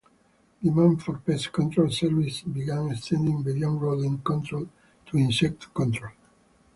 Demand for pest control services began extending beyond rodent control to insect control.